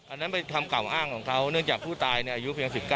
อันนั้นเป็นคำกล่าวอ้างของเขาเนื่องจากผู้ตายอายุเพียง๑๙